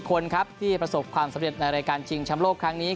คนครับที่ประสบความสำเร็จในรายการชิงชำโลกครั้งนี้